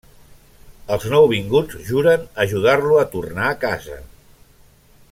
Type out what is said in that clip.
Els nouvinguts juren ajudar-lo a tornar a casa.